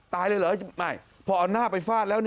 เลยเหรอไม่พอเอาหน้าไปฟาดแล้ว